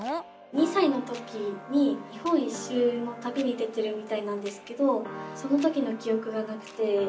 ２さいの時に日本一周のたびに出てるみたいなんですけどその時のきおくがなくて。